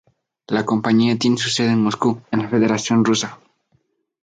La compañía tiene su sede en Moscú, en la Federación Rusa.